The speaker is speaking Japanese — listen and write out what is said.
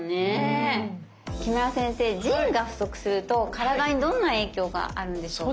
木村先生腎が不足すると体にどんな影響があるんでしょうか？